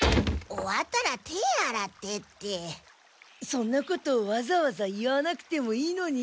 そんなことわざわざ言わなくてもいいのに。